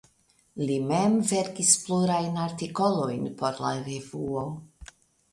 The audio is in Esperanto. Li mem verkis plurajn artikolojn por la revuo.